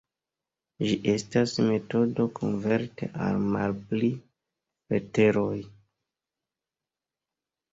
Ĝi estas metodo konverti al malpli leteroj.